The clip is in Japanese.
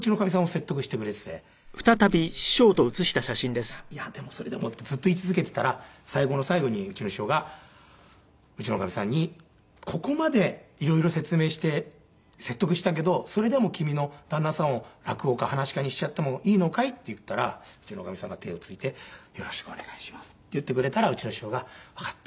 「いやいやでもそれでも」ってずっと言い続けていたら最後の最後にうちの師匠がうちのかみさんに「ここまで色々説明して説得したけどそれでも君の旦那さんを落語家噺家にしちゃってもいいのかい？」って言ったらうちのかみさんが手をついて「よろしくお願いします」って言ってくれたらうちの師匠が「わかった」。